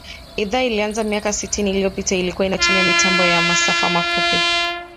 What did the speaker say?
Idhaa ilianza miaka sitini iliyopita ilikua inatumia mitambo ya masafa mafupi